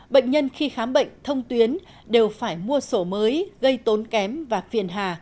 bệnh nhân khi khám bệnh thông tuyến đều phải mua sổ mới gây tốn kém và phiền hà